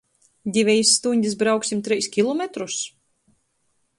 Divejis stuņdis brauksim treis kilometrus?